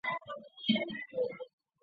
圣方济各保拉堂。